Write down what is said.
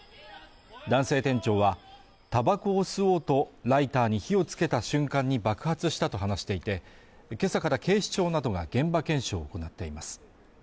男性店長はタバコを吸おうとライターに火をつけた瞬間に爆発したと話していて、今朝から警視庁などが現場検証を行っています。